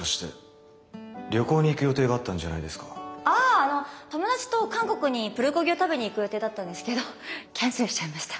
あの友達と韓国にプルコギを食べに行く予定だったんですけどキャンセルしちゃいました。